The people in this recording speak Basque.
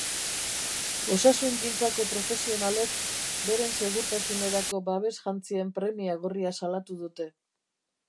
Osasungintzako profesionalek beren segurtasunerako babes-jantzien premia gorria salatu dute.